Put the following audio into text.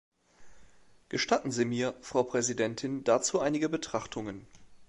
Gestatten Sie mir, Frau Präsidentin, dazu einige Betrachtungen.